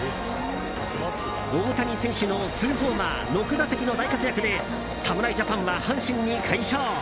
大谷選手の２ホーマー６打点の大活躍で侍ジャパンは阪神に快勝。